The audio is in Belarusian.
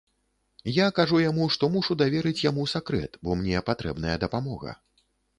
Я кажу яму, што мушу даверыць яму сакрэт, бо мне патрэбная дапамога.